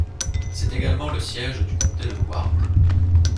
C’est également le siège du comté de Ward.